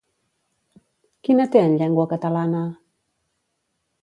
Quina té en llengua catalana?